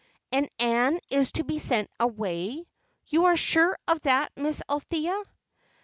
"And Ann is to be sent away? You are sure of that, Miss Althea?"